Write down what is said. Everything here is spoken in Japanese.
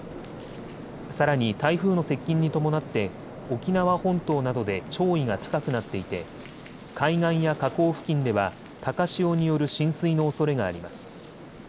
さらに台風の接近に伴って沖縄本島などで潮位が高くなっていて海岸や河口付近では高潮による浸水のおそれがあります。